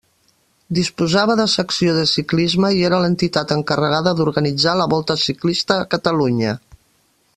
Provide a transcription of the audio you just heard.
Disposava de secció de ciclisme i era l'entitat encarregada d'organitzar la Volta Ciclista a Catalunya.